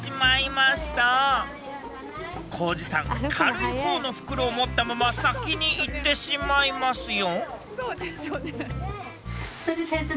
幸二さん軽いほうの袋を持ったまま先に行ってしまいますよ。